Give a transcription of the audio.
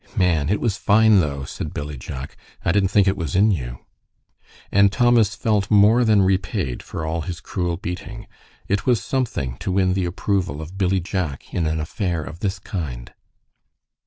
"Man! it was fine, though," said Billy Jack. "I didn't think it was in you." And Thomas felt more than repaid for all his cruel beating. It was something to win the approval of Billy Jack in an affair of this kind.